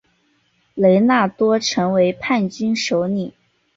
雷纳多成为叛军首领。